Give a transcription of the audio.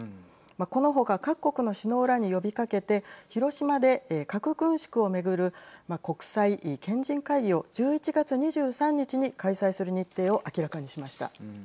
この他各国の首脳らに呼びかけて広島で核軍縮を巡る国際賢人会議を１１月２３日に開催する日程を明らかにしました。